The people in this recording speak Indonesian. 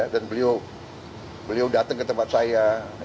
dan beliau datang ke tempat saya